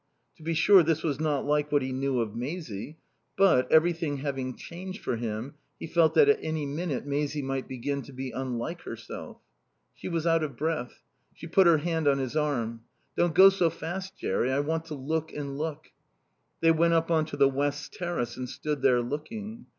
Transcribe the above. To be sure this was not like what he knew of Maisie; but, everything having changed for him, he felt that at any minute Maisie might begin to be unlike herself. She was out of breath. She put her hand on his arm. "Don't go so fast, Jerry. I want to look and look." They went up on to the west terrace and stood there, looking.